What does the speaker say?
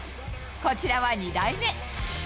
こちらは２代目。